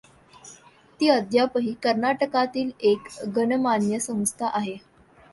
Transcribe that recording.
ती अद्यापही कर्नाटकातील एक गणमान्य संस्था आहे.